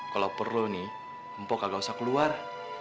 kalau perlu nih empok gak usah keluar